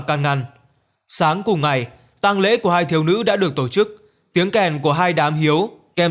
can ngăn sáng cùng ngày tăng lễ của hai thiếu nữ đã được tổ chức tiếng kèn của hai đám hiếu kèm